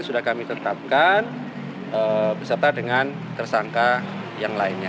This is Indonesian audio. sudah kami tetapkan beserta dengan tersangka yang lainnya